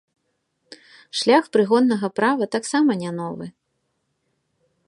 Шлях прыгоннага права таксама не новы.